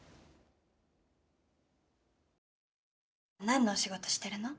何のお仕事してるの？